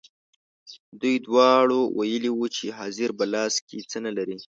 دوی دواړو ویلي وو چې حاضر په لاس کې څه نه لري.